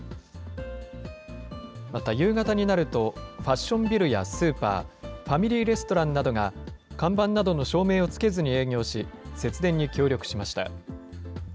また、夕方になると、ファッションビルやスーパー、ファミリーレストランなどが、看板などの照明をつけずに営業し、節電に協力しました。